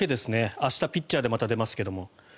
明日、ピッチャーでまた出ますけれども。